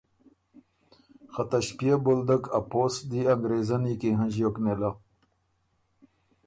خه ته ݭپيېو بولدک ا پوسټ دی انګرېزنی کی هنݫیوک نېله۔